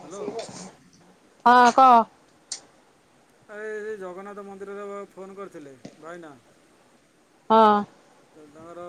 Hello ସେ ହଁ କହ ଆରେ ଜଗନ୍ନାଥ ମନ୍ଦିରରେ ଫୋନ କରିଥିଲେ ଭାଇନା ହଁ ତାଙ୍କର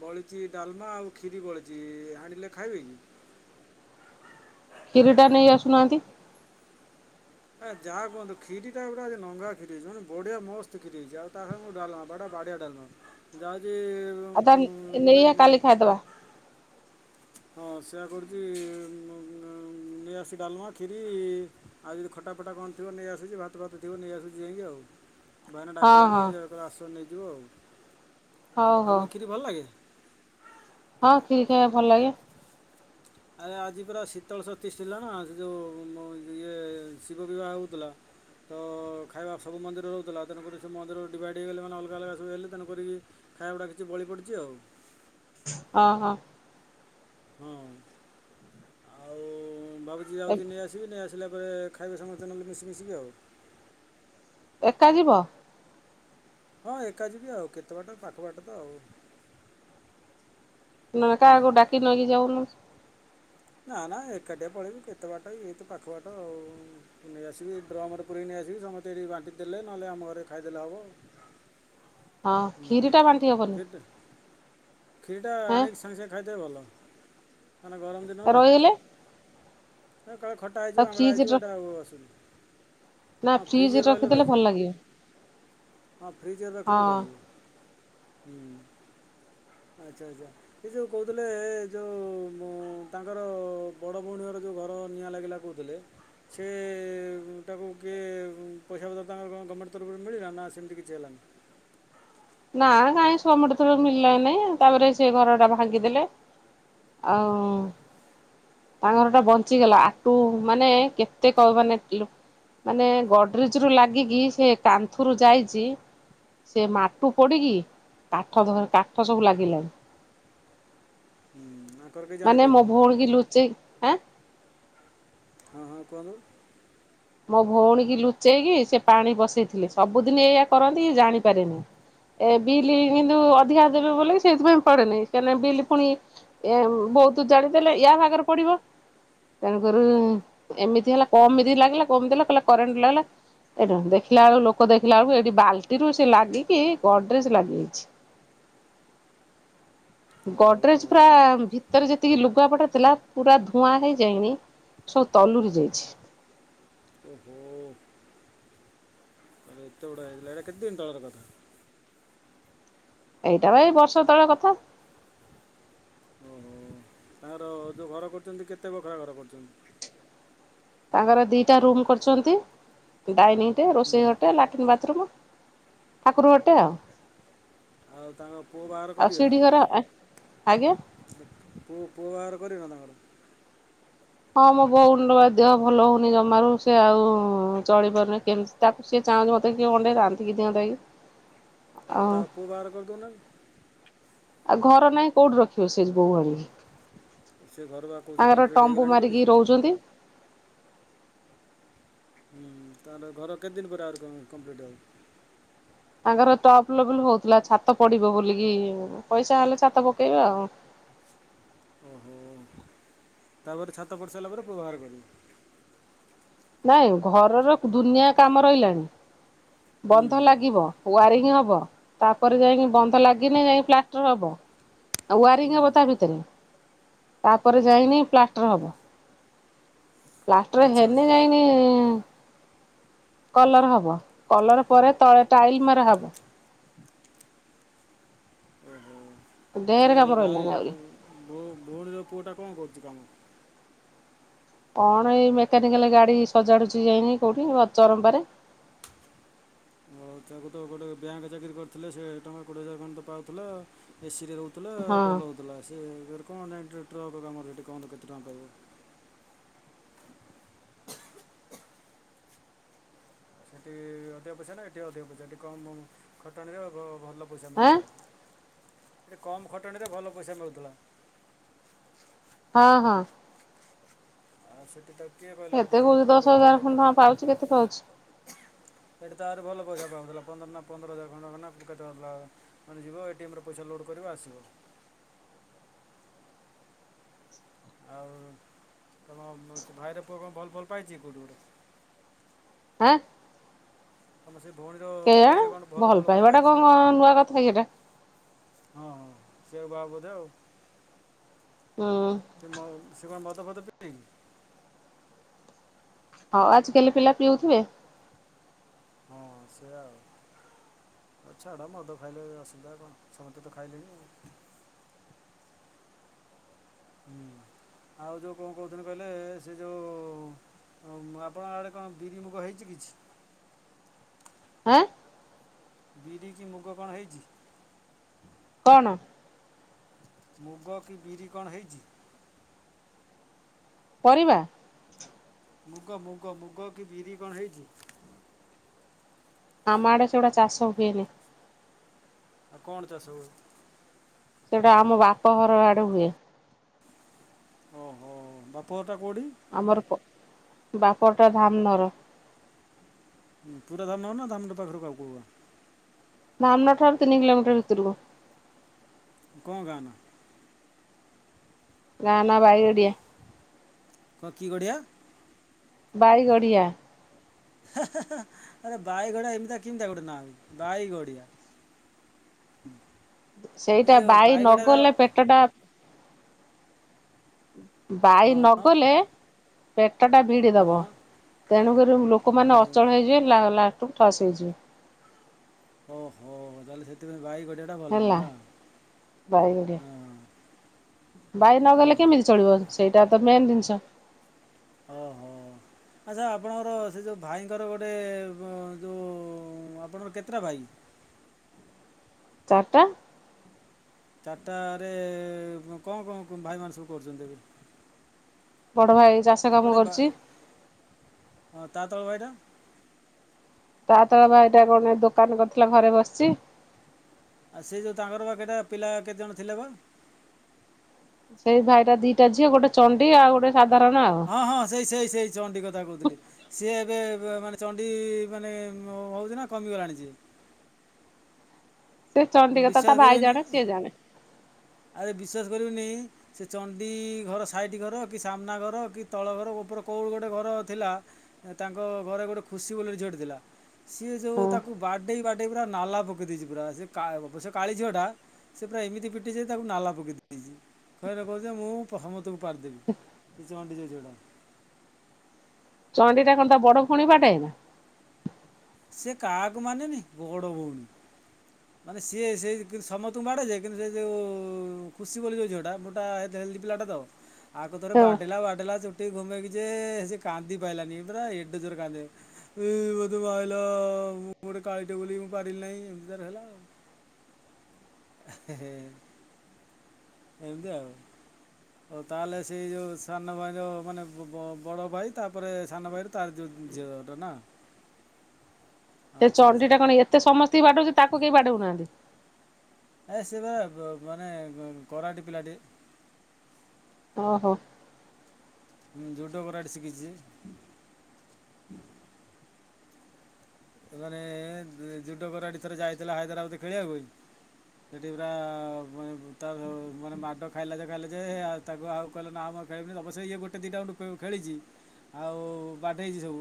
ବଳିଛି ଡାଲମା ଆଉ ଖ୍ିରି ବଳିଛି ଆଣିଲେ ଖାଇବେ କିି କ୍ଷୀରିଟା ନେଇ ଆସୁନାହାନ୍ତି ଏଁ ଯାହା କୁହୁ କ୍ଷୀଟା ଗୋଟେେଙ୍ଗା୍ଷୀଇଛି ମାନେ ବଢିଆ ମସ୍ତ କ୍ଷୀଇଛି ଆ ତା ସାଙ୍ଗରେ ଡାଲମା ବାା ବଡିିଆ ଡାଲମା ଯାହା ଆଦ ନ କାଲି ଖାଇଦବା ହଁ ସେୟା କରୁଛି ନେଇଆସିିକ ଡାଲମା ଖ୍ଷୀରି ଆଉ ଯଦି ଖଟା ଫଟା କଣଥିବ ନେଇଆସୁଛି ଭାତ ଭାତ ଥିବ ନେଇଆସୁଛି ଯାଇକି ଆଉ ଭାଇନ ହଁ ଡାକିଲେଣି ହଁ ନିର ଆସ ନେଇି ଯଅ ହଉ ହଉ ଆପଣଙ୍କୁ କିରି ଭଲ ଲାଗେ ହଁ କ୍ଷୀରି ଖାଇବା ଭଲ ଲାଗେ ଆରେ ଆଜି ପୁରା ଶୀତଳ ସତିଶ ଥିଲା ନା ସେ ଯେଉଁ ଇଏ ଶିବ ବିବାହ ହେଉଥିଲା ତ ଖାଇବା ସବୁ ମନ୍ଦିର ରହୁଥିଲା ତେଣୁକରି ସେ ମନ୍ଦିର ଡିଭାଇଡ଼୍ ହେଇଗଲେ ମାନେ ଅଲଗା ଅଲଗା ସବୁ ହେଲେ ତେଣୁ କରି ଖାଇବା ଗୁଡ଼ା କିଛି ବଳି ପଡ଼ିଛି ଆଉ ହଁ ହଁ ହଁ ଆଉ ବାବୁ ଜଦ ଦଉଦିନି ଆସିିବ ଆ ଆସିଲା ପରେ ଖାଇବା ସମଙ୍ଗସ୍ତ ନହେଲେ ମିଶି ମିଶିବି ଆଉ ଏକା ଯିବ? ହଁ ଏକା ଜବି ଆଉ କେତେ ବାଟ ପାଖ ବାଟ ତ ଆଉ। ନହେଲେ ହୁଁ। କାହାକୁ ଡାକିକି ନେଇକି ଯାଉନୁ? ନା ନା ଏକାଠିଆ ପଳେବୁ କେତେ ବାଟ ଇଏତ ପାଖ ବାଟ ଆଉ ନେଇ ଆସିବି ଡ୍ରମର ପୁରୀ ନେଇ ଆସିବି ସମସ୍ତେ ଏଠି ବାଣ୍ଟି ଦେେଲେ ନହେଲେ ଆମ ଘରେ ଖାଇଦେଲେ ହବ ଆଉ। ହଁ ଖ୍ଷିରି ଟା ବାଣ୍ଟି ହବନି। ଖିରଟା ହେଁ ଆଣି କି ସାଙ୍ଗସାଙ୍ଗ ଖାଇଦେଲେ ଭଲ। ମାନେ ଗରମ ଦିନ ତ ରହିଗଲେ ଏ କାଳେ ଖଟା ହେଇଯିବ ଆଉ ଆମ୍ବଳା ଫ୍ରିଜ ହେଇଯିବ ର ଏଇଟା ଆସୁନି ନା ହଁ ଫ୍ରିଜ ଫ୍ରିଜରେେ ରହିଲେ ରଖିଦେଲେ ଭଲ ରହିଯିବ ଲାଗିବ ହଁ ଫ୍ରିଜରେେ ରଖିଲେ ହଁ ରହିଯିବ। ହୁଁ ଆଚ୍ଛା ଆଚ୍ଛା ସେ ଯେଉଁ କହୁଥିଲେ ଯେଉଁ ତାଙ୍କର ବଡ଼ ଭଉଣୀଙ୍କର ଯେଉଁ ଘର ନିଆଁ ଲାଗିଲା କହୁଥିଲେ ସେ ତାାକୁ କିଏ ପଇସା ପତ୍ର ତାଙ୍କର ଗଭର୍ଣ୍ଣମେଣ୍ଟ ତରଫରୁ ମିଳିଲା ନା ସେମିତି କିଛି ହେଲାନି। ନା କାହିଁ ସଆ ମଟ ଥର ମଳିଲା ନାାଇଁ ତାପରେ ସେ ଘର ଟା ଭାଙ୍ଗିଦେଲେ ଆଉ ତା ଘର ଟା ବଞ୍ଚିଗଲା ଆଟୁ ମାନେ କେତେ କ ମାନେ ମାନେ ଗଡରେଜ ରୁ ଲାଗିକି ସେ କାନ୍ଥୁରୁ ଯାଇଛି ସେ ୁ ପଡିକି କାଠ କାଠ ସବୁ ଲାଗିଲଣି। ହୁଁ ଆଙ୍କର କେହି ମାନେ ମୋ ଜାଣିପାରିଲେନି ଭଉଣୀ କି ଲୁଚେଇ ଆଁ ହଁ ହଁ କୁହନ୍ତୁ। ମୋ ଭଉଣୀ କି ଲୁଚେଇକି ସେ ପାଣି ବସେଇଥିଲେ ସବୁଦିନ ଏଇଆ କରନ୍ତି କି ଜାଣିପାରେନି ଏ ବିଲ୍ କିନ୍ତୁ ଅଧିକା ଦେବେ ବୋଲେ ସେଇଥିପାଇଁ ପଡ଼େନିଁ ସେ ବିଲ ପୁଣି ବହୁତ ଜାଣିଦେଲେ ୟା ଭାଗରେ ପଡ଼ିବ ତେଣୁକରି ଏମିତି ହେଲା କମତି ଲାଗିଲା କମିଦଲା କହିଲା କରେଣ୍ଟ ଲାଗିଲା ଏଠୁ ଦେଖିଲା ବେଳକୁ ଲୋକ ଦେଖିଲା ବେଳକୁ ଏଇଠି ବାଲ୍ଟିରୁୁ ସେ ଲାଗିକି ଗଡରେଜ ଲାଗିଯାଇଛି। ଓହୋ ଗୋଡରେଜ ପ୍ରା ଭିତରେ ଯେତିକି ଲୁଗାପଟା ଥିଲା ପୁରା ଧୂଆଁ ହେଇଯାଇନି ସବୁ ତଲୁରି ଯାଇଛି। ଓହୋ। ଏତେଡଥିଲା ଏଇଟା କେତେ ଦିନ ଟଳର କଥା ଏଇଟା ଭାଇ ବର୍ଷ ତଳେ କଥା। ଓହୋ ତାଙ୍କର ଯୋଉ ଘର କରୁଛନ୍ତି କେତେ ବଖରା ଘର କରୁଛନ୍ତି? ତାଙ୍କର ଦିଟା ରୁମ୍ କରିଛନ୍ତି ଡାଇନିଂ ହେ ରୋଷେଇ ଘରଟା ଲାଟ୍ରନ୍ ବାଥରୁୁମ୍। ଠାକୁର ଘର ତେ ଆଉ। ଆଉ ତାଙ୍କ ପୁଅ ବାହାରର ଆଉ କରିବେ ନା ସିଢି ଘର ଆଜ୍ଞା ପୁଅ ପୁଅ ବାହାର କରିବେ ନା ତାଙ୍କର? ହଁ ମୋ ବୋଉ ମୁଣ୍ଡ ବା ଦେହ ଭଲ ହଉନି ଜମାରୁ ସେ ଆଉ ଚଳି ପାରୁନି କେମିତି ତାକୁ ସିଏ ଚାହୁଁଛି ମତେ କିଏ ଅଣ୍ଡେଇ ରାନ୍ଧିକି କି ଦିଅ ନ୍ତା କି। ହଁ ଆଉ ତା ପୁ ବାହାର କରଦୁ ନା ଆଉ ଘର ନାାଇଁ କୋଉଠି ରଖିବ ସେ ଗୋଉହାଳିୀ ସେ ଘର ବା କହୁଛ ତାଙ୍କର କମ୍ପ୍ଲିଟ୍ ଟମ୍ବୁ ହେଇଗଲାଣି ବୋଲି ମାରିକି ରହୁଛନ୍ତି ହୁଁ ତା ରଘର କେତେ ଦିନଆଉ ପରେ ଆ କମ୍ପ୍ଲିଟ ହବ? ତାଙ୍କର ଟପ ଲେବଲ ହଉଥିଲା ଛାତ ପଡିବ ବୋଲିକି ପଇସା ହେଲେ ଛାତ ପକେଇବା ଆଉ। ଓହୋ ତାପରେ ଛାତ ପଡ଼ି ସାରିଲା ପରେ ପ୍ରବହାର କରିବ ନାଇଁ ଘରର ଦୁନିଆ କାମ ରହିଲାଣି ହୁଁ ବନ୍ଧ ଲାଗିବ ୱାରିଂ ହବ ତାପରେ ଯାଇକି ବନ୍ଧ ଲାଗିନି ଯାଇକି ପ୍ଲାଷ୍ଟର ହବ ଆଉ ହୁଁ। ୱାରିଙ୍ଗ ହବ ତା ଭିତରେ ତାପରେ ଓହୋ ଯାଇନି ପ୍ଲାଷ୍ଟର ହବ। ପ୍ଲାଷ୍ଟର ଆଚ୍ଛା ହେନି ଆଚ୍ଛା ଯାଇନି କଲର ହବ କଲର ପରେ ତଳେ ଟାଇଲ ମାର ହବ ଓହୋ। ଢେର ସେ କାମ ରହିଲାଣି ଭାଇଉ ଆହୁରି। ଭଉଣୀର ପୁଅ ଟା କଣ କରୁଛି କାମ। କଣ ଏଇ ମେକାନିକାଲ ଗାଡି ସଜାଡୁଛି ଯାଇନି କୋଉଠି ଚରମ୍ପାରେ? ଆଉ ତାକୁ ତ ଗୋଟେ ବ୍ୟାଙ୍କ ଚାକିରି କରିଥିଲେ ସେ ଟଙ୍କା କୋଡିଏ ହଜାର ମାନ ତ ପାଉଥିଲା ଏସି ରହୁଥିଲା ହଁ ଭଲ ହଉଥିଲା ସେ କଣ ଟ୍ରାକ୍ଟର ଆମ ରେଟ୍ କୁହନ୍ତୁ କେତେ ଟଙ୍କା ପାଇବ ସେଠି ଅଧିକ ପଇସା ନା ଏଠି ଅଧିକ ପଇସା ଏଠି କମ୍ ଖଟାଣିରେ ଭଲଲ ପଇସା ଆଁ ମିଳଗଲା ଏ କମ ଖଟଣୀରେ ଭଲ ପଇସା ମିଳୁଥିଲା ହଁ ହଁ ଆଉ ସେଠ ତ କିଏ କହିଲା ଏଠି କେତେ ଯ କହୁଛି ଦଶ ଟ୍ରକର କେ ହଜାର ଦେମ ଖଣ୍ଡେ ଟଙ୍କା ପାଉଛି କେତେ ପାଉଛି ଏଠି ତ ଆରେ ଭଲ ପନ୍ଦର ହଜ ମାନେ ଯିବ ଏରେ ପଇସା ଲୋଡ କରିବା ଆସିବ ଆଉ ତମ ଭାଇର ପୁଅ କଣ ଭଲ ଭଲ ପାଇଛି କୋଉଠି ଗୋଟେ ହଁ ତମ ସେେ କେୟା ଭଲ ପାଇବାଟା କଣ କ ନୂଆ କଥା ସେଟା ହଁ ହଁ ସେ ବା ବୁଧେ ଆଉ ହୁଁ ସେ ସେ ମତ ତ ତ ପ ହଉ ଆଜିିକାଲି ପିଲା ପିଉଥିବେ ହଁ ସେଆା ଆଉଛାଡା ମଦ ଖାଇଲେ ଅସୁବିଧା କଣ ସମସ୍ତେ ତ ଖାଇଲେଣି ହୁଁ ଆଉ ଯୋଉ କଣ କହୁଥିଲେ କହିଲେ ସେ ଯଉ ଆପଣଙ୍କ ଆଡ଼େ କଣ ବିରି ମୁଗ ହେଇଛି କିଛି ହଁ ବିରି କି ମୁଗ କଣ ହେଇଛି କଣ ମୁଗ କି ବିରି କଣ ହେଇଛି ପରିବା ମୁଗ ମୁଗ ମୁଗ କି ବିରି କଣ ହେଇଛି ଆମ ଆଡେ ସେଉଟା ଚାଷ ହୁଏନି ଆଉ କଣ ଚା ସବୁ ସେଟା ଆମ ବାପ ଘର ଆଡେ ହୁଏ ଓହୋ ବାପୁଅଟା କୋଉଡିି ଆମର ବାପଡ଼ ଟା ଧାମନର ଁ ପୁରା ଧାମ ନନ ଧମ ପାଖରୁ କ କ ଧାମନଠାରୁ ତିନି କିଲୋମିଟର ଭିତରକୁ କ ଗାନା ଗାନ ଭାଇ ଗଡ଼ିଆ ହଁ କି ଗଢ଼ିଆ? ବାରଗଡିଆ। ଆରେ ବାଇଗଡିଆ ଏମିତି କେମିତି କରୋଟନା ବାଇଗଡିଆ ଏ ସେଇଟା ଯୋଉ ବାାଇ ବାଇଗଡାର ନଗଲେ ପେଟ ଟା ହୁଁ। ବାାଇ ହଁ ହଁ ନଗଲେ ପ କଟଟା ଭୀଡ଼ଦବ ହଁ ତେଣୁକରି ହଁ ଲୋକମାନେ ଏ ଅଚଳ ହେଇଯିବେ ଲା ଠସ ହେଇଯିବେ ତାଲେ ସେଥିାଇ ଗାଇ ଗୋ ଟା ଭଲାମ ହେଲା ନା ହଁ ବାାଇ ନ ଗଲେ ଓହୋ କେମିତି ଚଳିବ ସେଇଟା ତ ମେନ୍ ଜିନିଷ ସ ଓହୋ ଆଚ୍ଛା ଆପଣଙ୍କର ସେ ଯୋଉ ଭାଇଙ୍କର ଗୋଟେ ଯୋଉ ଆପଣଙ୍କର କେତେଟା ଭାଇ ଚାରିଟା ଚାରିଟରେ କଣ କଣ ଭାଇ ମାନ ସବୁ କରୁଛନ୍ତି ଏବେ ବଡ ଭାଇ ଚାଷ କାମ ଗୋଟେ ଭା କରୁଛି ହଁ ତାାତଳ ଭାଇଟା ତା ତର ଭାଇଟା କଣ ଦୋକାନରେ କରିଥିଲା ଘରେ ବସିଛି ଆଉ ସେ ଯୋଉ ତାଙ୍କର ବାଟା ପିଲା କେତେ ଜଣ ଥିଲେ ବା ସେଇ ଭାଇଟା ଦିଟା ଝଅ ଗୋଟେ ଚଣ୍ଡି ଆଉ ଗୋଟେ ସାଧାରଣ ଆଉ ହଁ ହଁ ସେଇ ସେଇ ସେଇ ଚଣ୍ଡି କଥା କହୁଥିଲି ସିଏ ଏବେ ମାନେ ଚଣ୍ଡି ମାନେ ହଉଛି ନା କମିଗଲାଣି ଯେ ସେ ଚନ୍ତି କଥା ତା ଭାଇ କରିବେନି ଜାଣେ ସିଏ ଜାଣେ ଆରେ ବିଶ୍ୱାସ କରିବୁନି ସେ ଚଣ୍ଣ୍ଡୀ ଘର ସାଇଠ ଘର କି ସାମ୍ନା ଘର କି ତଳ ଘର ଉପର କୋଉଠି ଗୋଟେ ଘର ଥିଲା ତାଙ୍କ ଘରେ ଗୋଟେ ଖୁସି ବୋଲିୋଲେ ଝିଅଟ ଥିଲା ସିଏ ହଁ ଯୋଉ ତାକୁ ବାଡେଇ ବାଡେଇ ପୁରା ନାଲା ପକେଇ ଦେଇଛି ପୁରା ସେ ସେ କାଳି ଝିଅଟା ସେି ପା ଏମିତି କଟି ଯାଇ ତାକୁ ନାଲା ପକେଇ ଦେଇଛି ଖଇରେ କହୁଛି ମୁଁ ପ୍ରମତକୁ ପିଦେବି ସେ ଚଣ୍ଡି ଯାଉଛିଟା ଚଡି ଟା ଏଣ ତା ବଡ ଖଣି ପାଠାଇ ନା ସେ କାହାକୁ ମାନେନି ବଡ ଭଉଣୀ ମାନେ ସିଏ ସେ ସମସ୍ତଙ୍କୁ ବାଡେ ଯେ କିନ୍ତୁ ସେ ଯୋଉ ଖୁସି ବୋଲି ଯାଉ ଟା ମୁୋଟା ପିଲାଟା ତ ଆଗଥରେ ହଁ ବାଡିଲା ବାଡିଲା ଚୋଟି ଘୁମେଇକି ଯେ ସେ କାନ୍ଦି ପାଇଲାନି ପୁର ଏୋରେ କାନ୍ଦେୋ ମୁ ଗୋଟୋଳି ବୁ ମୁାରିଲି ନାହିଁ ଏମତି ହେଲାଉ ହଁ ଏମିତି ଆଉ ଆଉ ତାହେଲେ ସେଇ ଯୋଉ ସାନ ଭାଇ ଯୋଉ ମାନେ ବଡ ଭାଇ ତାପରେ ସାନ ଭାଇର ତାର ଯୋଉ ଝିଅଟା ନା ସେ ଆଚ୍ଛା ଚଣ୍ଡି ଆଚ୍ଛା ଟା କଣ ଏତେ ସମସ୍ତେ ବି ବାଟୁଛି ତାକୁ କେହି ପାଟଉନାହାନ୍ତି ଏ ବା ମାନେ କରଟେ ପିଲାଟି ଓ ହୋ। ହଁ ଜୁଟ କରଡେ ଶିଖିଛି। ାନେ ଯୁଡ କରଡି ଥର ଯାଇଥିଲା ହାଇଦ୍ରାବାଦ ଖେଳିବାକୁ ହ ସେଠି ପୁର ମାନେ ମାଡ ଖାଇଲା ଯେ ଖାଇଲା ଯେ ତାକୁ ଆଉ କହିଲ ନା ଖେଳିବିନି ତ ସେ ଇଏ ଗୋଟେ ଦିଟାଣ୍ଡୁ ଖେଳିଛି ଆଉ ବାଟ ହେଇଛି ସବୁ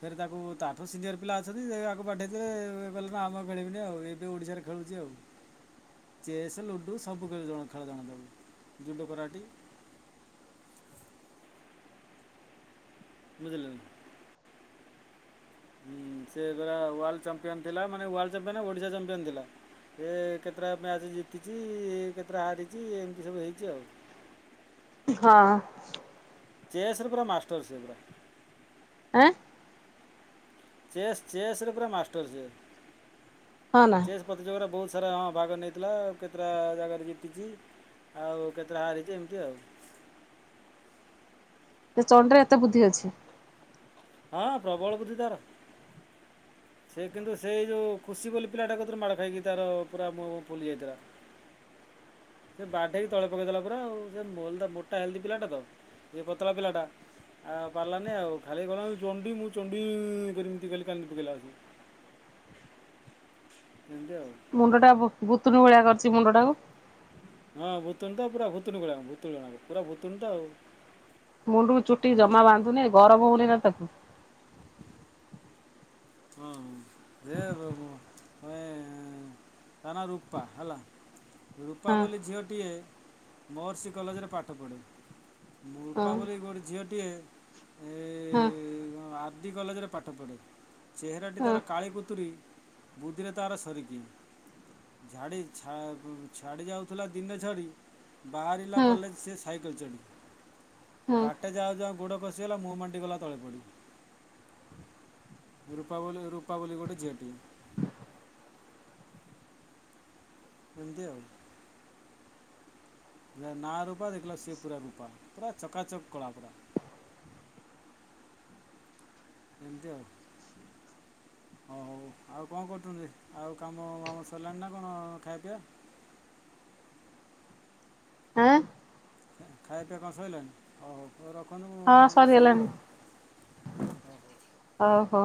ଫ ତାକୁ ତାଠ ସିନିୟର ପିଲା ଅଛନ୍ତି ଆକୁ ପାଠେଇଦେ କହିଲେ ନା ଆମେ ଖେଳିବନି ଏଇଠି ଓଡ଼ିଶାରେ ଖେଳୁଛି ଆଉ ଚେସ୍ ଲୁଡ଼ୁ ସବୁ ଖେଳ ଜଣା ତାକୁ ଯୁଗ କରାଡି। ବଝିଲ ନା। ହୁଁ ସେ ପରା ୱାର୍ଲଡ ଚାମ୍ପିୟନ୍ ଥିଲା ମାନେ ୱାର୍ଲଡ ଚମ୍ପିୟନ୍ ଓଡ଼ିଶା ଚାମ୍ପିୟନ୍ ଥିଲା ସେ କେତେଟା ମ୍ୟାଚ୍ ଜିତିଛି କେତେଟା ହାରିଛି ଏମିତି ସବୁ ହେଇଛି ଆଉ। ହଁ। ଚେସ୍ ରେ ପୁରା ମାଷ୍ଟର୍ ସିଏ ପୁରା। ଆଁ ଚେସ୍ ଚେସ୍ ରେ ପୁରା ମାଷ୍ଟର ସିଏ। ହଁ ନା ଚେସ୍ ପ୍ରତିଯୋଗିତା ରେ ବହୁ ପ୍ରତିଯୋଗିତାରେ ହଁ ଭାଗ ନେଇଥିଲା କେତେଟା ଜାଗାରେ ଜିତିଛି ଆଉ କେତେଟା ହାରିଛି ଏମିତି ଆଉ। ସେ ଚଣ୍ଡିର ଏତେ ବୁଦ୍ଧି ଅଛି। ହଁ ପ୍ରବଳ ବୁଦ୍ଧି ତାର। ସେ କିନ୍ତୁ ସେଇ ଯୋଉ ଖୁସି ବୋଲି ପିଲାଟା କତିରୁ ମାଡ଼ ଖାଇକି ତାର ପୁରା ମହଁ ଫୁଲି ଯାଇଥିଲା ସେ ବାଢେଇକି ତଳେ ପକେଇଦେଲା ପୁରା ଆଉ ସେ ମୋଟା ହେଲଦି ପିଲାଟା ତ ଇଏ ପତଳା ପିଲାଟା ଆଉ ପାରିଲାନି ଆଉ ଖାଲି କଣ ଚଣ୍ଡୀ ମୁଁ ଚଣ୍ଡୀ ଏମିତି ଖାଲି କାନ୍ଦି ପକେଇଲା ଆସି। [unintelligible] ଏମତି ଆଉ। ମୁଣ୍ଡ ଟା ଭୁତୁଣି ଭଳିଆ କରିଛି ମୁଣ୍ଡ ଟାକୁ। ହଁ ଭୁତୁଣି ତ ପୁରା ଭୁତୁଣି ଭଳିଆ କଣ ଭୁତୁଣୁ ଗଣା ପୁରା ଭୁତୁଣି ତ ଆଉ। ମୁଣ୍ଡୁକୁ ଚୁଟିକି ଜମା ବାନ୍ଧୁନେଇ ଗରମ ହଉନି ଆଜ୍ଞା। ହୁଁ ତା ନାଁ ରୂପା ହେଲା। ରୂପା ହଁ ବୋଲି ଝିଅଟିଏ ମହର୍ଷି କଲେଜରେ ପାଠ ପଢ଼େ। ହଁ ରୂପା ବୋଲି ଗୋଟେ ଝିଅଟିଏ ହଁ ଆର୍ ଡି କଲେଜରେ ପାଠ ପଢ଼େ। ଚେହେରାଟି ତାର କାଳୀ କୁତୁରି ବୁଦ୍ଧିରେ ତାର ସରି କିଏ ଛାଡ଼ି ଯାଉଥିଲା ଦିନେ ଝଡ଼ି ବାହାରିଲା ହଁ କଲେଜ ସେ ସାଇକେଲ ଚଢ଼ି ହଁ ବାଟେ ଯାଉ ଯାଉା ଗୋଡ଼ ଖସି ଗଲା ମୁହଁ ମାଡିଗଲା ତଳେ ପଡ଼ି। ରୂପା ବୋଲି ରୂପା ବୋଲି ଗୋଟେ ଝିଅଟିଏ। ଏମିତି ଆଉ। ନା ରୂପା ଦେଖିଲ ବେଳକୁ ସେ ପୂରା ବିପାକ ପୂରା ଚକାଚକ୍ କଳା ପୁରା। ଏମିତି ଆଉ ହଉ ହଉ ଆଉ କଣ କରୁଛନ୍ତି ଆଉ କାମ ଦାମ ସରିଲାଣି ନା କଣ ଖାଇବା ପିଇବା। ଆଁ ଖାଇବା ପିଇବା କଣ ସଇଲାଣିି ଆଉ ହଉ ରଖନ୍ତୁ ହଁ ମୁଁ ଯଉଛି ଶୋଇବି ସରିଗଲାଣି ଆଉ। [unintelligible] ଓ ହୋ